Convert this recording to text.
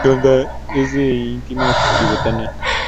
Es de etnia tibetana.